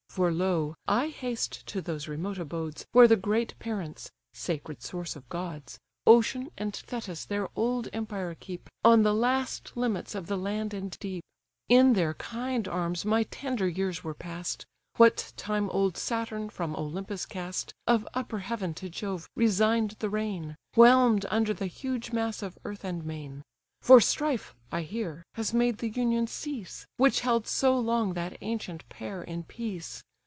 "For lo! I haste to those remote abodes, Where the great parents, (sacred source of gods!) Ocean and Tethys their old empire keep, On the last limits of the land and deep. In their kind arms my tender years were past; What time old Saturn, from Olympus cast, Of upper heaven to Jove resign'd the reign, Whelm'd under the huge mass of earth and main. For strife, I hear, has made the union cease, Which held so long that ancient pair in peace.